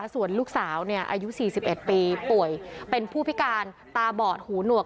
ส่วนลูกสาวเนี่ยอายุสี่สิบเอ็ดปีป่วยเป็นผู้พิการตาบอดหูหนวก